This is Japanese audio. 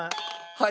はい。